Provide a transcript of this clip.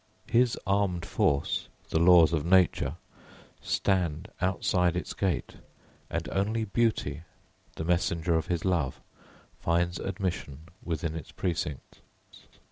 His armed force, the laws of nature, stand outside its gate, and only beauty, the messenger of his love, finds admission within its precincts.